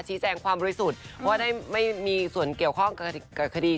ชี้แจงความบริสุทธิ์เพราะไม่มีส่วนเกี่ยวข้องกับคดีช่อกลง